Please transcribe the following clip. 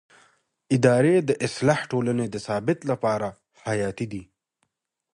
اداري اصلاح د ټولنې د ثبات لپاره حیاتي دی